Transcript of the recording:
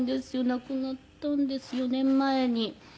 亡くなったんです４年前に。